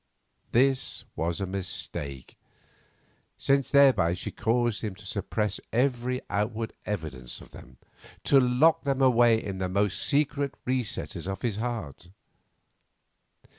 This was a mistake, since thereby she caused him to suppress every outward evidence of them; to lock them away in the most secret recesses of his heart.